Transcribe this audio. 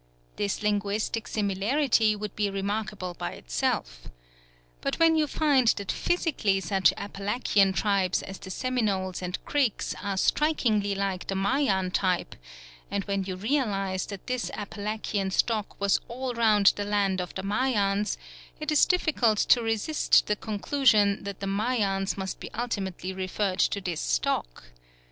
This linguistic similarity would be remarkable by itself. But when you find that physically such Apalachian tribes as the Seminoles and Creeks are strikingly like the Mayan type, and when you realise that this Apalachian stock was all round the land of the Mayans, it is difficult to resist the conclusion that the Mayans must be ultimately referred to this stock.